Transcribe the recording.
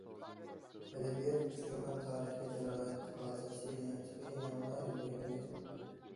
ئەدەبىيات ئۇچرىغان تارىخىي جاراھەت خاتىرىسى تېخى يېڭىلا يۈز بەرگەندەك تۇرۇپتۇ.